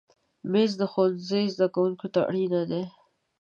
مېز د ښوونځي زده کوونکي ته اړین دی.